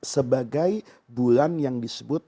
sebagai bulan yang disebut